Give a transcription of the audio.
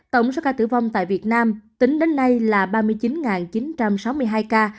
tổng số ca tử vong tại việt nam tính đến nay là ba mươi chín chín trăm sáu mươi hai ca